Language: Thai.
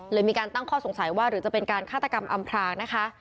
มีการตั้งข้อสงสัยว่าหรือจะเป็นการฆาตกรรมอำพรางนะคะ